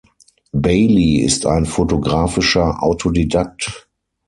Bailey ist ein fotografischer Autodidakt.